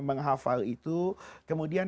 menghafal itu kemudian